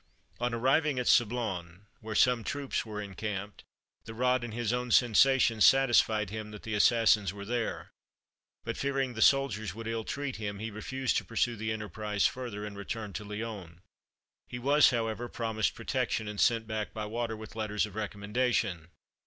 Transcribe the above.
On arriving at Sablon, where some troops were encamped, the rod and his own sensations satisfied him that the assassins were there; but fearing the soldiers would ill treat him, he refused to pursue the enterprise further, and returned to Lyons. He was, however, promised protection, and sent back by water, with letters of recommendation.